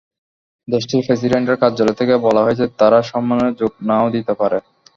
দেশটির প্রেসিডেন্টের কার্যালয় থেকে বলা হয়েছ, তারা সম্মেলনে যোগ না–ও দিতে পারে।